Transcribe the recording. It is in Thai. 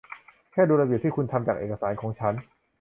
แค่ดูระเบียบที่คุณทำจากเอกสารของฉัน